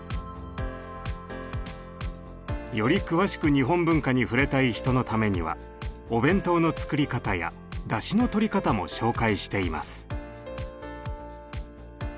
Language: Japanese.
より詳しく日本文化に触れたい人のためにはお弁当の作り方やだしのとり方も紹介しています。